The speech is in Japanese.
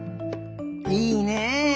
いいね。